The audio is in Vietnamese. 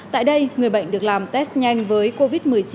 tại đây người bệnh được làm test nhanh với covid một mươi chín